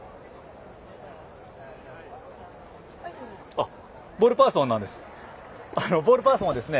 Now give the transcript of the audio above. あっボールパーソンなんです。